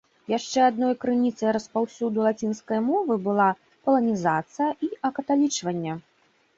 Яшчэ адной крыніцай распаўсюду лацінскай мовы была паланізацыя і акаталічванне.